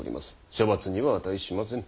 処罰には値しませぬ。